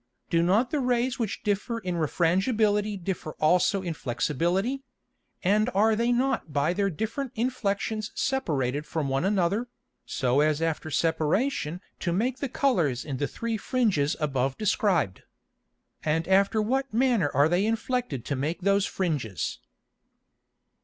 Do not the Rays which differ in Refrangibility differ also in Flexibity; and are they not by their different Inflexions separated from one another, so as after separation to make the Colours in the three Fringes above described? And after what manner are they inflected to make those Fringes?